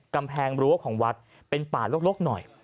กำแพงรั้วของวัดเป็นป่าลกหน่อย